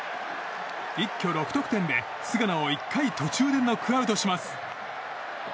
一挙６得点で菅野を１回途中でノックアウトします。